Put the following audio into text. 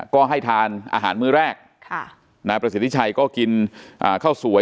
ก็ให้ทานอาหารมือแรกก็กินข้าวสวย